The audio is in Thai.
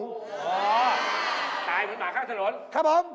อ๋อตายเหมือนหมาข้างถนน